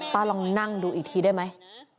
ลองนั่งดูอีกทีได้ไหม